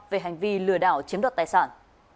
về hành vi lừa đảo chiếm đoạt tài sản